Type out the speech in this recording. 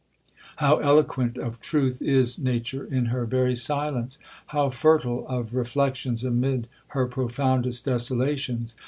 'How eloquent of truth is nature in her very silence! How fertile of reflections amid her profoundest desolations!